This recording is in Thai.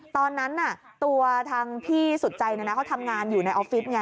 ตอนนั้นตัวทางพี่สุดใจเขาทำงานอยู่ในออฟฟิศไง